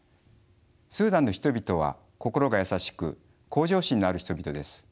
スーダンの人々は心が優しく向上心のある人々です。